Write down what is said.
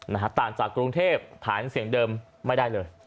ต่างจากกรุงเทพฐานเสียงเดิมไม่ได้เลย